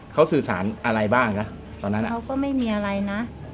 เขาสื่อสารอะไรบ้างนะตอนนั้นเขาก็ไม่มีอะไรนะ